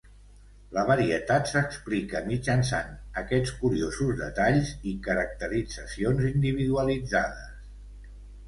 La varietat s'explica mitjançant aquests curosos detalls i caracteritzacions individualitzades.